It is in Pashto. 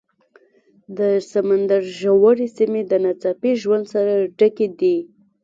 د سمندر ژورې سیمې د ناڅاپي ژوند سره ډکې دي.